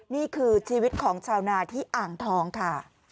นี่คือชีวิตของชาวนาที่อ่างทองค่ะ